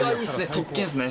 特権ですね。